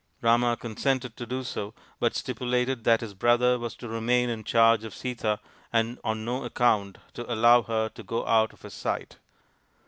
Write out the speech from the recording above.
Rama consented to do so, but stipulated that his brother was to remain in charge of Sita and on no account to allow her to go out of his sight.